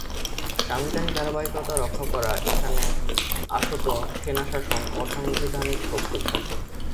সাংবিধানিক ধারাবাহিকতা রক্ষা করা ছাড়া এখানে আসত সেনাশাসন, অসাংবিধানিক শক্তির শাসন।